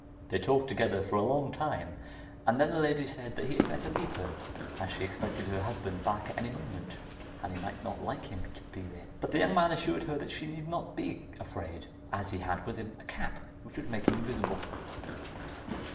They talked together for a long time, and then the lady said he had better leave her as she expected her husband back at any moment, and he might not like him to be there; but the young man assured her she need not be afraid, as he had with him a cap which would make him invisible.